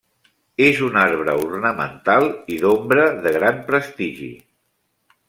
És un arbre ornamental i d'ombra de gran prestigi.